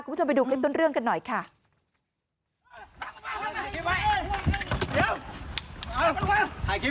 คุณใจเชียวมรึงนี่ไง